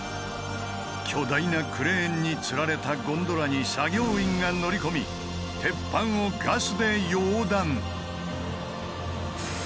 巨大なクレーンにつられたゴンドラに作業員が乗り込み鉄板をガスで溶断。